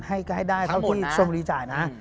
ให้ได้เท่าที่ทรงรีจ่ายนะ